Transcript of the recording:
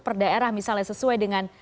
perdaerah misalnya sesuai dengan